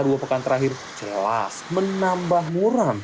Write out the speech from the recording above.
dua pekan terakhir jelas menambah muram